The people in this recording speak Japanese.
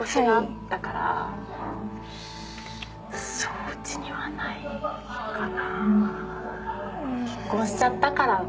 うちにはないかな。